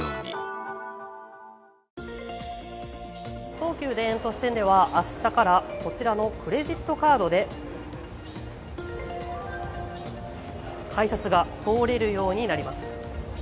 東急田園都市線では、明日からこちらのクレジットカードで改札が通れるようになります。